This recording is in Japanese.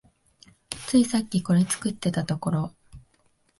ついさっきこれ作ってたところ